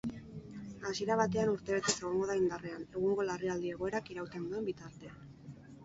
Hasiera batean urtebetez egongo da indarrean, egungo larrialdi-egoerak irauten duen bitartean.